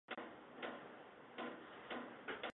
张贴影片写写网志